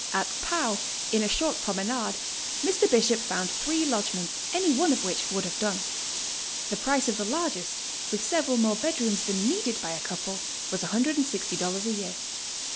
At Pau in a short promenade Mr. Bishop found three lodgements, any one of which would have done. The price of the largest, with several more bed rooms than needed by a couple, was $160 a year.